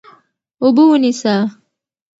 اوبه ونیسه.